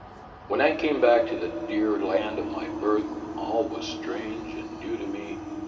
When I came back to the dear land of my birth, all was strange and new to me.